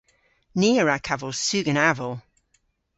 Ni a wra kavos sugen aval.